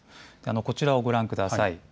こちらをご覧ください。